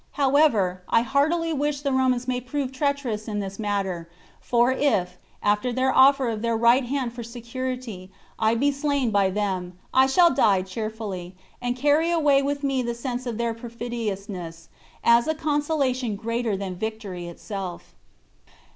However, I heartily wish the Romans may prove treacherous in this matter; for if, after their offer of their right hand for security, I be slain by them, I shall die cheerfully, and carry away with me the sense of their perfidiousness, as a consolation greater than victory itself."